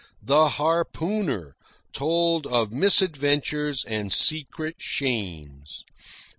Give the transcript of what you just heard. The harpooner told of misadventures and secret shames.